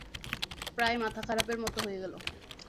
প্রায় মাথা খারাপের মতো হয়ে গেল।